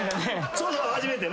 そうそう初めて。